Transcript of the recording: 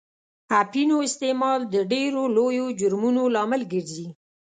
اپینو استعمال د ډېرو لویو جرمونو لامل ګرځي.